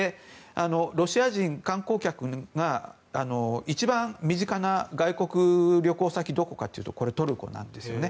ロシア人観光客が一番身近な外国の旅行先はどこかと聞くとこれ、トルコなんですよね。